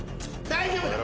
大丈夫だ。